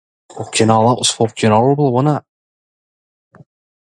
She was named Rookie of the Year and Player of the Year.